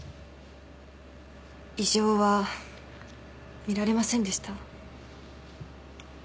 異常は見られませんでした。